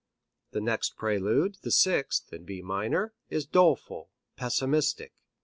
The next prelude, the sixth, in B minor, is doleful, pessimistic.